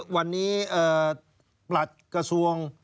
วันนี้ประหลัดกระทรวง